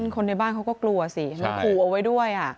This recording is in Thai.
คนในบ้านเขาก็กลัวสิแล้วขู่เอาไว้ด้วย